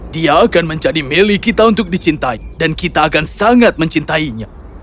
dia akan menjadi milik kita untuk dicintai dan kita akan sangat mencintainya